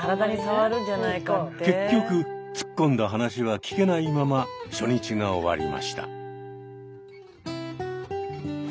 結局突っ込んだ話は聞けないまま初日が終わりました。